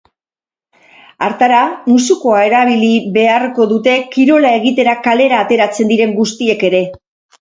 Hartara, musukoa erabili beharko dute kirola egitera kalera ateratzen diren guztiek ere.